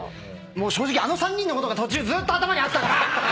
もう正直あの３人のことが途中ずーっと頭にあったから！